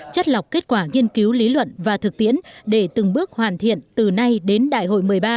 chất lọc kết quả nghiên cứu lý luận và thực tiễn để từng bước hoàn thiện từ nay đến đại hội một mươi ba